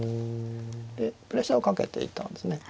でプレッシャーをかけていたんですね。